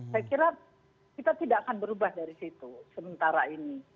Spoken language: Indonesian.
saya kira kita tidak akan berubah dari situ sementara ini